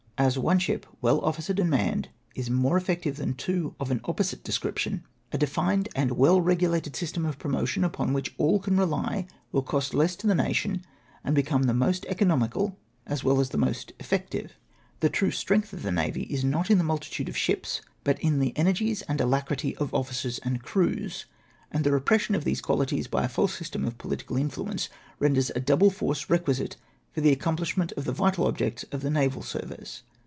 As one ship well officered and manned is more effective than two of an opposite description, a de fined and weU regulated system of promotion upon which all can rely will cost less to the nation, and become the most economical as well as the most effective. The true strengtli of the navy is not in the s 3 262 THE TKUE STREXGTII OF THE XAYY. multitude of ships, but in the energies and alacrity of officers and crews ; and the repression of these cjualities by a false system of political influence, renders a double force requisite for the accomphshment of the vital objects of the naval service.